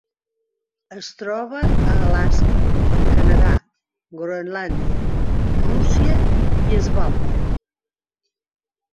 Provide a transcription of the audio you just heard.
Es troba a Alaska, el Canadà, Groenlàndia, Rússia i Svalbard.